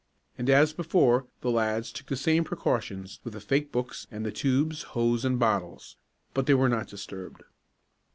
And, as before, the lads took the same precautions with the fake books and the tubes, hose and bottles. But they were not disturbed.